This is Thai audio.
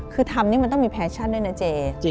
คือทำนี่มันต้องมีแฟชั่นด้วยนะเจ